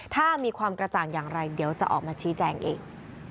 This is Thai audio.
ถ้ามีความกระจ่างอย่างไรเดี๋ยวจะออกมาชี้แจงอีก